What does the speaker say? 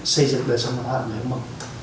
xây dựng đời sống của ta là người ấm mộng